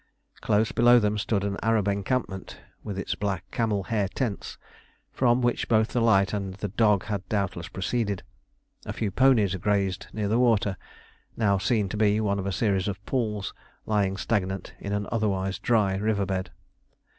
Close below them stood an Arab encampment with its black camel hair tents, from which both the light and dog had doubtless proceeded. A few ponies grazed near the water, now seen to be one of a series of pools lying stagnant in an otherwise dry river bed.